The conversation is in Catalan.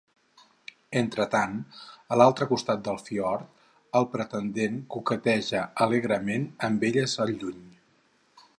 Entretant, a l'altre costat del fiord, el pretendent coqueteja alegrement amb elles al lluny.